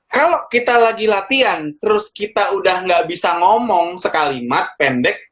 kalau kita lagi latihan terus kita udah gak bisa ngomong sekalimat pendek